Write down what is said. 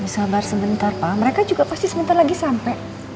sabar sebentar pak mereka juga pasti sebentar lagi sampai